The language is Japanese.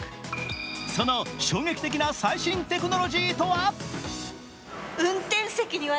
その衝撃的な最新テクノロジーとは？